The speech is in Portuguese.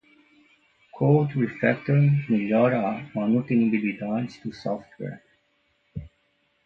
Code Refactoring melhora a manutenibilidade do software.